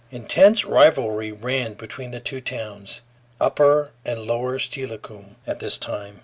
Intense rivalry ran between the two towns, upper and lower Steilacoom, at this time.